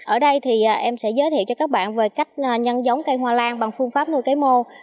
ở đây thì em sẽ giới thiệu cho các bạn về cách nhân giống cây hoa lan bằng phương pháp nuôi cây mô